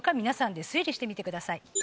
皆さんで推理してみてください